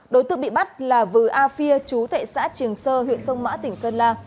đối tượng bị bắt là vừa afia chú tại xã trường sơ huyện sông mã tỉnh sơn la